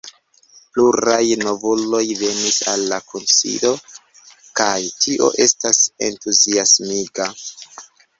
Pluraj novuloj venis al la kunsido, kaj tio estas entuziasmiga.